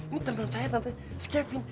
ini teman saya tante kevin